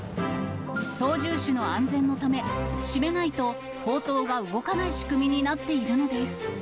操縦手の安全のため、閉めないと、砲塔が動かない仕組みになっているのです。